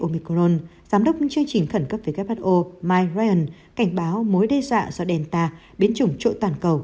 giám đốc chương trình khẩn cấp who mike ryan cảnh báo mối đe dọa do delta biến chủng trội toàn cầu